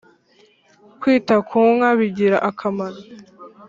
- kwita ku nka bigira akamaro.